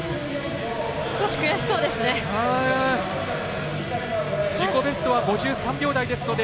少し悔しそうですね。